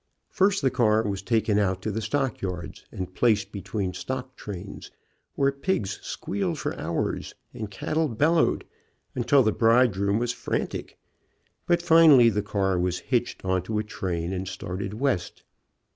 First the car was taken out to the stockyards, and placed between stock trains, where pigs squealed for hours, and cattle bellowed, until the bridegroom was frantic, but finally the car was hitched onto a train and started west.